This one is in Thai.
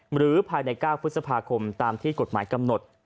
หรือภายใน๙พฤษภาคมตามที่กฎหมายกำหนด